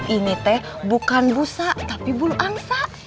ini teh bukan busa tapi bulu angsa